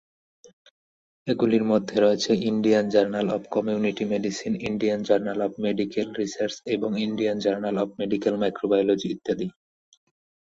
এগুলির মধ্যে রয়েছে "Indian journal of community medicine", "Indian journal of medical research" এবং "Indian journal of medical microbiology" ইত্যাদি।